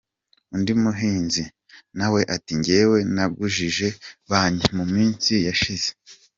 Undi muhinzi nawe ati “Ngewe nagujije banki ,mu minsi yashize.